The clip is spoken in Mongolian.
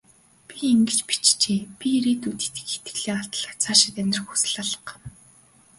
Тэр ингэж бичжээ: "Би ирээдүйд итгэх итгэлээ алдлаа. Цаашид амьдрах хүсэл алга".